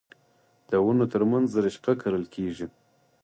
د ونو ترمنځ رشقه کرل کیږي.